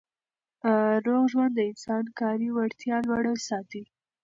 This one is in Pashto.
روغ ژوند د انسان کاري وړتیا لوړه ساتي.